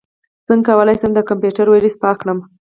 څنګه کولی شم د کمپیوټر ویروس پاک کړم